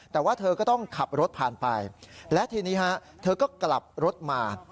แต่ว่าเธอก็ต้องขับรถผ่านไปและทีนี้ฮะเธอก็กลับรถมา